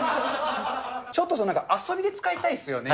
ちょっと遊びで使いたいですよね。